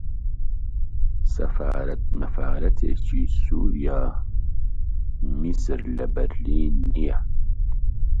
سەفارەت مەفارەتێکی سووریا، میسر لە برلین نییە